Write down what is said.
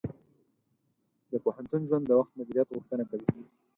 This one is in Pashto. د پوهنتون ژوند د وخت مدیریت غوښتنه کوي.